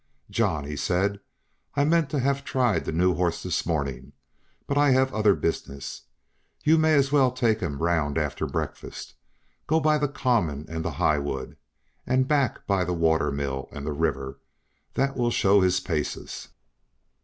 "John," he said, "I meant to have tried the new horse this morning, but I have other business. You may as well take him around after breakfast; go by the common and the Highwood, and back by the water mill and the river; that will show his paces."